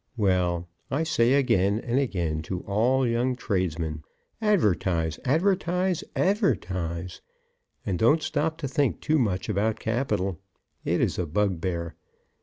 Well; I say again and again to all young tradesmen; Advertise, advertise, advertise; and don't stop to think too much about capital. It is a bugbear.